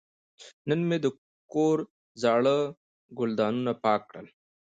نن مې د کور زاړه ګلدانونه پاک کړل.